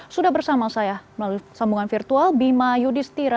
sudah bersama saya melalui sambungan virtual bima yudhistira